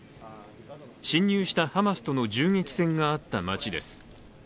侵入したハマスとの銃撃戦があった街です。